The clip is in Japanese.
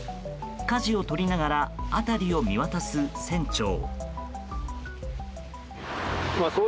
かじを取りながら辺りを見渡す船長。